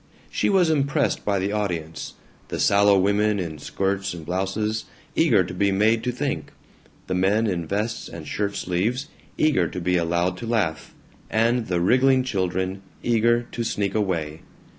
She was impressed by the audience: the sallow women in skirts and blouses, eager to be made to think, the men in vests and shirt sleeves, eager to be allowed to laugh, and the wriggling children, eager to sneak away.